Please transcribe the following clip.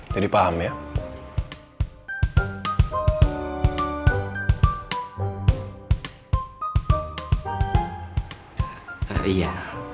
jadi paham ya